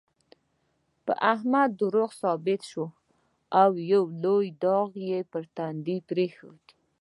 په احمد دروغ ثبوت شول، او یو لوی داغ یې په تندي پرېښود.